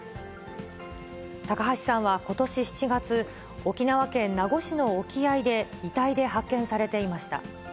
高橋さんはことし７月、沖縄県名護市の沖合で遺体で発見されていました。